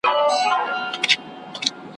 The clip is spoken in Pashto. ځمه له سبا سره مېلمه به د خزان یمه `